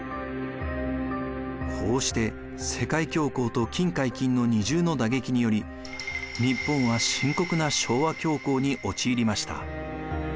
こうして世界恐慌と金解禁の二重の打撃により日本は深刻な昭和恐慌に陥りました。